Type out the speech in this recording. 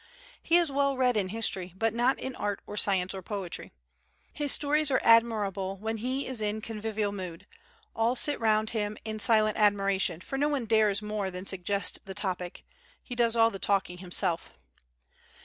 He is well read in history, but not in art or science or poetry. His stories are admirable when he is in convivial mood; all sit around him in silent admiration, for no one dares more than suggest the topic, he does all the talking himself.